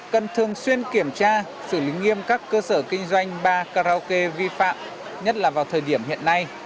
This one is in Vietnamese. cần thường xuyên kiểm tra xử lý nghiêm các cơ sở kinh doanh ba karaoke vi phạm nhất là vào thời điểm hiện nay